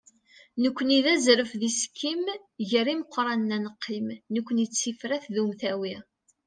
nekkni d azref d isekkim, gar imeqranen ad neqqim, nekkni d tifrat d umtawi.